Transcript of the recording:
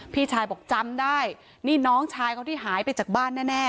พี่ชายบอกจำได้นี่น้องชายเขาที่หายไปจากบ้านแน่